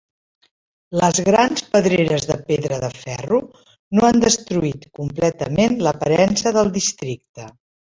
Les grans pedreres de pedra de ferro no han destruït completament l'aparença del districte.